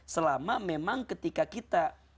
selama memang ketika kita